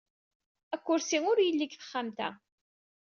Akursi ur yelli deg texxamt-a.